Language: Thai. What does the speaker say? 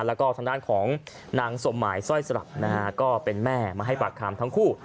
แล้วก็ทางด้านของนางสมหมายสร้อยสลักนะฮะก็เป็นแม่มาให้ปากคำทั้งคู่